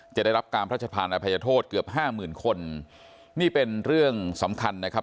ได้รับการพระชธานอภัยโทษเกือบห้าหมื่นคนนี่เป็นเรื่องสำคัญนะครับ